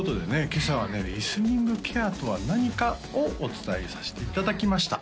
今朝はねリスニングケアとは何かをお伝えさせていただきました